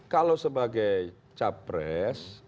kalau sebagai capres